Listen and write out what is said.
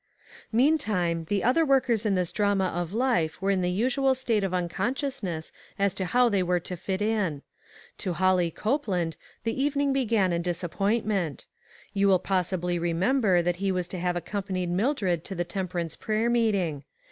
Meantime, the other workers in this drama of life were in the usual state of uncon sciousness as to how they were to fit in. To Holly Copeland the evening began in disappointment. You will possibly .remember that he was to have accompanied Mildred to the temperance prayer meeting.